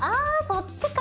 そっちか！